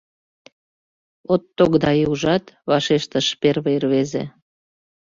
— От тогдае, ужат, — вашештыш первый рвезе.